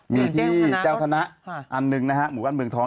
มีที่เจ้าคณะอันหนึ่งนะฮะหมู่บ้านเมืองท้อง